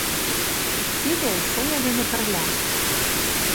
«Тиде – Соня дене пырля.